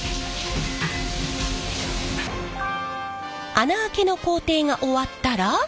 穴あけの工程が終わったら。